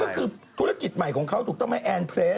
ก็คือธุรกิจใหม่ของเขาถูกต้องไหมแอนเพลส